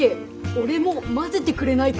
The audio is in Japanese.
俺もまぜてくれないか？